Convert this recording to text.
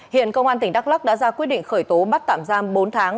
hiện công an tỉnh đắk lắc đã ra quyết định khởi tố bắt tạm giam bốn tháng